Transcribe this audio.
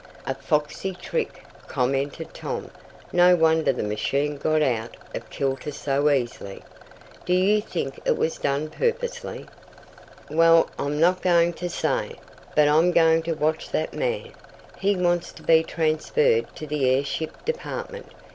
"A foxy trick," commented Tom. "No wonder the machine got out of kilter so easily." "Do you think it was done purposely?" "Well, I'm not going to say. But I'm going to watch that man. He wants to be transferred to the airship department.